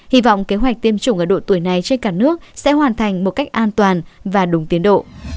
hy vọng kế hoạch tiêm chủng ở độ tuổi này trên cả nước sẽ hoàn thành một cách an toàn và đúng tiến độ